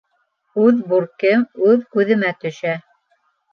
Үҙ бүркем үҙ күҙемә төшә.